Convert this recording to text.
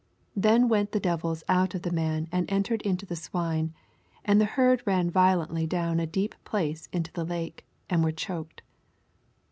88 Then went the devils out of the man, and entered into the swine : and the herd ran violently down a deep place into the lake, and were choked.